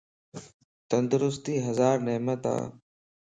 تندرستي ھزار نعمت ا